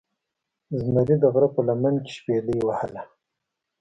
زمرې دغره په لمن کې شپیلۍ وهله